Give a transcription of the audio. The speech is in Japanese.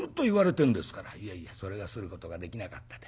「いえいえそれがすることができなかったって。